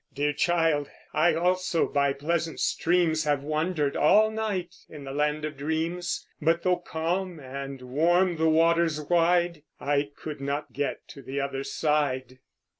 "Dear child, I also by pleasant streams Have wandered all night in the land of dreams; But though calm and warm the waters wide, I could not get to the other side."